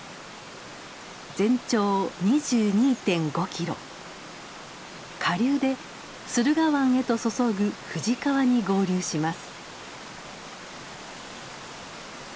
全長２２．５キロ下流で駿河湾へと注ぐ富士川に合流します。